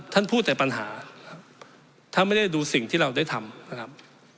ท่านพูดแต่ปัญหาท่านไม่ได้ดูสิ่งที่เราได้ทำนะครับ